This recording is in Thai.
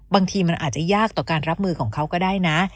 บางทีมันอาจจะยากต่อการรับมือของเขาก็ได้นะ